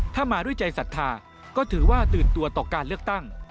ถ้ามาด้วยใจศรัทธาก็ถือว่าตื่นตัวต่อการเลือกตั้ง